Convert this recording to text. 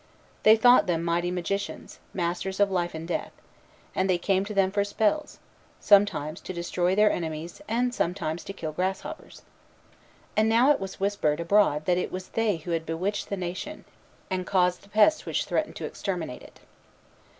They thought them mighty magicians, masters of life and death; and they came to them for spells, sometimes to destroy their enemies, and sometimes to kill grasshoppers. And now it was whispered abroad that it was they who had bewitched the nation, and caused the pest which threatened to exterminate it.